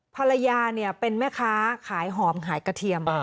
ภรรยาเป็นแม่ค้าขายหอมขายกระเทียม